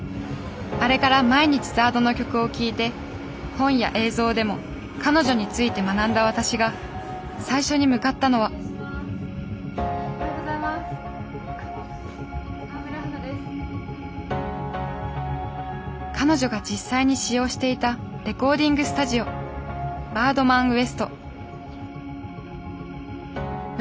あれから毎日ＺＡＲＤの曲を聴いて本や映像でも彼女について学んだ私が最初に向かったのは彼女が実際に使用していたレコーディングスタジオバードマンウエスト。